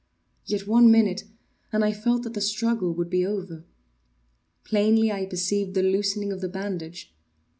Yet one minute, and I felt that the struggle would be over. Plainly I perceived the loosening of the bandage.